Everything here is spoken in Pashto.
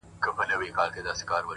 او راته وايي دغه،